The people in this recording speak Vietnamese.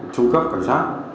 trung cấp cảnh sát